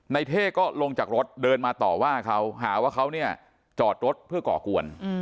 เท่ก็ลงจากรถเดินมาต่อว่าเขาหาว่าเขาเนี่ยจอดรถเพื่อก่อกวน